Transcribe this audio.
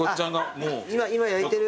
今焼いてる。